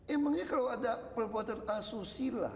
emangnya kalau ada perbuatan asusila